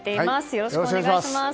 よろしくお願いします。